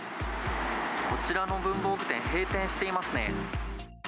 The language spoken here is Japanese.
こちらの文房具店、閉店していますね。